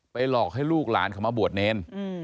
หลอกให้ลูกหลานเขามาบวชเนร